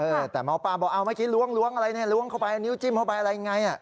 แต่หมอปลาบอกเอาเมื่อกี้ล้วงอะไรเนี่ยล้วงเข้าไปนิ้วจิ้มเข้าไปอะไรยังไงอ่ะ